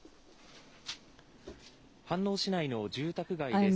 飯能市内の住宅街です。